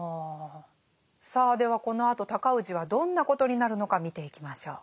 さあではこのあと尊氏はどんなことになるのか見ていきましょう。